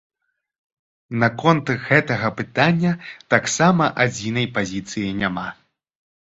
Наконт гэтага пытання таксама адзінай пазіцыі няма.